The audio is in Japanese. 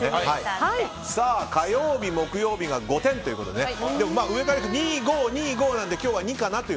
火曜日、木曜日が５点ということででも２、５、２、５なので今日は２かなと。